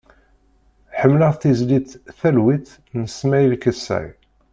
Ḥemmleɣ tizlit "Talwit" n Smail Kessay.